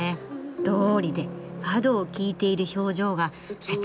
どうりでファドを聞いている表情が切ないわけですよね。